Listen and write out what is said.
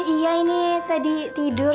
iya ini tadi tidur